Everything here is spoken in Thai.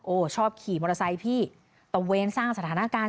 ชอบขี่มอเตอร์ไซค์พี่ตะเวนสร้างสถานการณ์